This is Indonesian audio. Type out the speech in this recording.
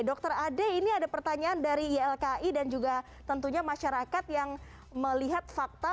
dr ade ini ada pertanyaan dari ylki dan juga tentunya masyarakat yang melihat fakta